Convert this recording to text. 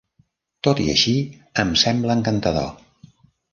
Tot i així em sembla encantador.